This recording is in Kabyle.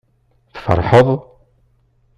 Tfeṛḥeḍ?